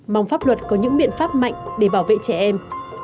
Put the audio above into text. mong pháp luật có những biện pháp mạnh để bảo vệ trẻ em